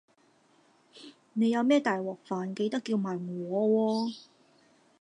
你有咩大鑊飯記得叫埋我喎